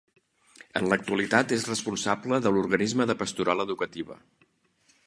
En l'actualitat és responsable de l'organisme de pastoral educativa.